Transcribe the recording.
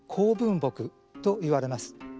木といわれます。